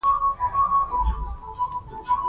وینا څنګه وکړو ؟